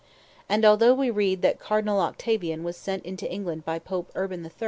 And although we read that Cardinal Octavian was sent into England by Pope Urban III.